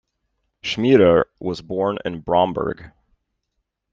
Schmieder was born in Bromberg.